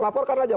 lapor kan aja